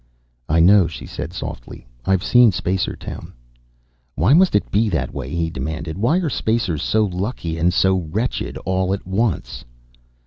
"I know," she said softly. "I've seen Spacertown." "Why must it be that way?" he demanded. "Why are Spacers so lucky and so wretched all at once?"